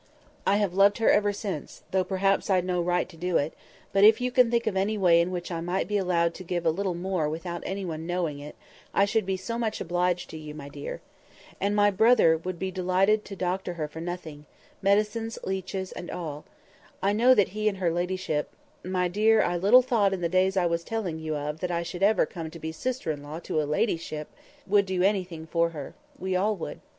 I have loved her ever since, though perhaps I'd no right to do it; but if you can think of any way in which I might be allowed to give a little more without any one knowing it, I should be so much obliged to you, my dear. And my brother would be delighted to doctor her for nothing—medicines, leeches, and all. I know that he and her ladyship (my dear, I little thought in the days I was telling you of that I should ever come to be sister in law to a ladyship!) would do anything for her. We all would."